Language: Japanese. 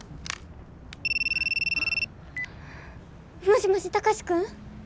もしもし貴司君！？